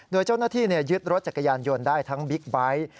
โดยเจ้าหน้าที่ยึดรถจักรยานยนต์ได้ทั้งบิ๊กไบท์